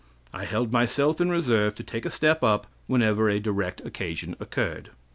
I held myself in reserve to take a step up whenever a direct occasion occurred.